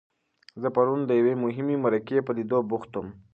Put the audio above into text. زه پرون د یوې مهمې مرکې په لیدو بوخت وم.